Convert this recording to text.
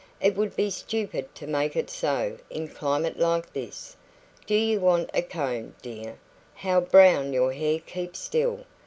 It would be stupid to make it so in a climate like this. Do you want a comb, dear? How brown your hair keeps still!